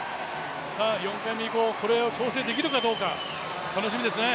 さあ４回目以降、これを調整できるかどうか楽しみですね。